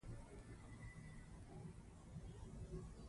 افتخارات به عادلانه وېشل کېدله.